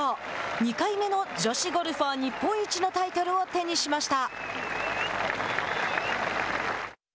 ２回目の女子ゴルファー日本一のタイトルを手にしました。